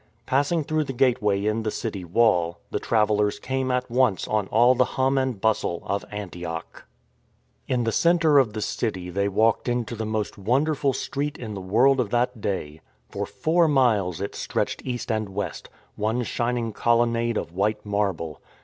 Passing through the gateway in the city wall, the travellers came at once on all the hum and bustle of Antioch, In the centre of the city they walked into the most wonderful street in the world of that day. For four miles it stretched east and west, one shining colonnade of white marble.